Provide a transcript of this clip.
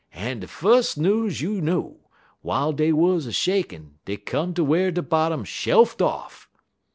En de fus' news you know, w'iles dey wuz a shakin', dey come to whar de bottom shelfed off.